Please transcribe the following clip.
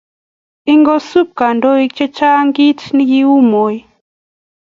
ingosub kandoik chechang kiit nekiuu Moi